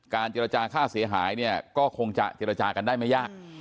เจรจาค่าเสียหายเนี่ยก็คงจะเจรจากันได้ไม่ยาก